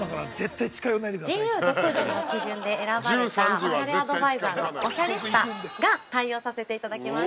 ◆ＧＵ独自の基準で選ばれたおしゃれアドバイザーのおしゃリスタが対応させていただきます。